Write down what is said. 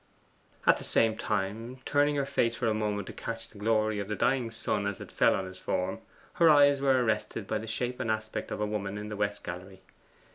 At the same time, turning her face for a moment to catch the glory of the dying sun as it fell on his form, her eyes were arrested by the shape and aspect of a woman in the west gallery.